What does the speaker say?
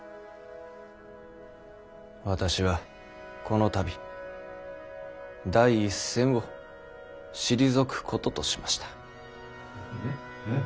私はこの度第一線を退くこととしました。